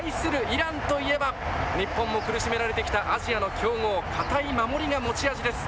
イランといえば、日本も苦しめられてきたアジアの強豪、堅い守りが持ち味です。